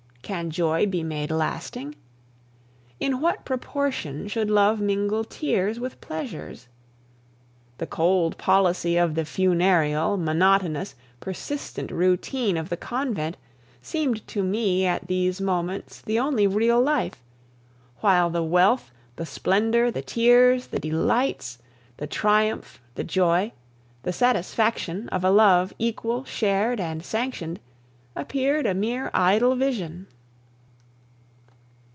Can joy be made lasting? In what proportion should love mingle tears with pleasures? The cold policy of the funereal, monotonous, persistent routine of the convent seemed to me at these moments the only real life; while the wealth, the splendor, the tears, the delights, the triumph, the joy, the satisfaction, of a love equal, shared, and sanctioned, appeared a mere idle vision.